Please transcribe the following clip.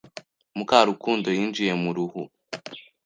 Mukarukundo yinjiye mu ruhu.